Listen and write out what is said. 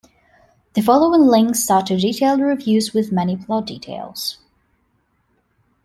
The following links are to detailed reviews with many plot details.